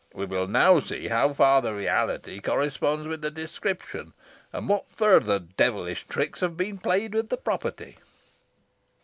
We will now see how far the reality corresponds with the description, and what further devilish tricks have been played with the property."